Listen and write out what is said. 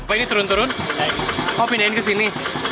ini turun turun mau pindahin ke sini